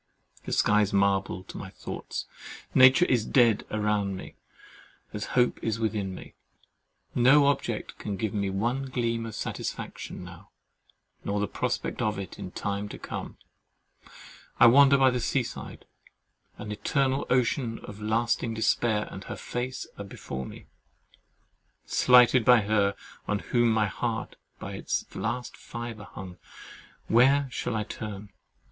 The sky is marble to my thoughts; nature is dead around me, as hope is within me; no object can give me one gleam of satisfaction now, nor the prospect of it in time to come. I wander by the sea side; and the eternal ocean and lasting despair and her face are before me. Slighted by her, on whom my heart by its last fibre hung, where shall I turn?